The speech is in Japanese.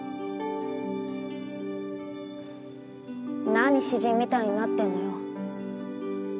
何詩人みたいになってんのよ。